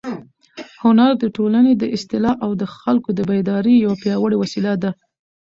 هنر د ټولنې د اصلاح او د خلکو د بیدارۍ یوه پیاوړې وسیله ده.